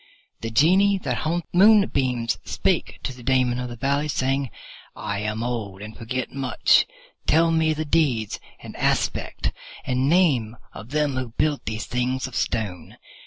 The Genie that haunts the moonbeams spake to the Daemon of the Valley, saying, "I am old, and forget much. Tell me the deeds and aspect and name of them who built these things of Stone."